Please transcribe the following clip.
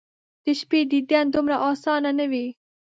د شپې دیدن دومره اسانه ،نه وي